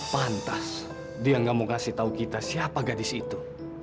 pantas dia gak mau kasih tahu kita siapa gadis itu